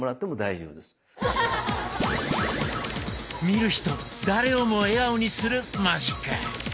見る人誰をも笑顔にするマジック！